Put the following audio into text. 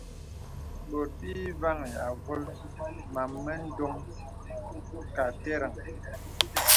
Bòt bì vàŋhī āvōl màm mə ndòm kà àterəŋ.